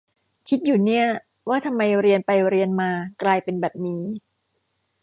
คิดอยู่เนี่ย ว่าทำไมเรียนไปเรียนมากลายเป็นแบบนี้